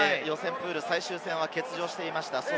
プール最終戦は欠場していました。